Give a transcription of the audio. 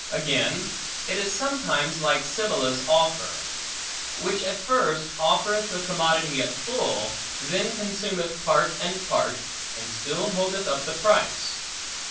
Again, it is sometimes like Sibylla's offer; which at first, offereth the commodity at full, then consumeth part and part, and still holdeth up the price.